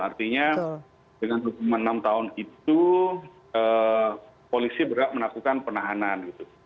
artinya dengan hukuman enam tahun itu polisi berhak melakukan penahanan gitu